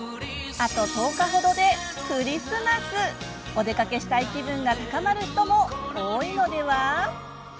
あと１０日程でクリスマスお出かけしたい気分が高まる人も多いのでは？